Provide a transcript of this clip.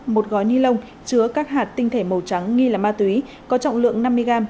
một gói ni lông chứa các hạt tinh thể màu trắng nghi là ma túy có trọng lượng năm mươi g